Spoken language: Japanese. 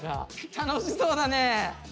楽しそうだね。